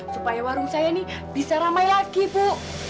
supaya warung saya ini bisa ramai lagi bu